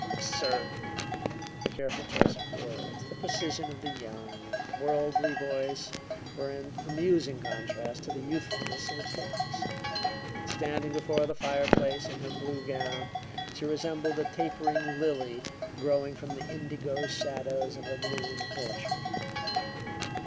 How absurd!" The careful choice of words, the precision of the young, worldly voice were in amusing contrast to the youthfulness of appearance. Standing before the fireplace in her blue gown, she resembled a tapering lily growing from the indigo shadows of a noon orchard.